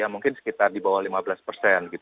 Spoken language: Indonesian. mungkin sekitar di bawah lima belas persen